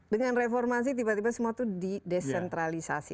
dengan reformasi tiba tiba semua itu didesentralisasi